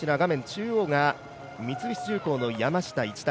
中央が三菱重工の山下一貴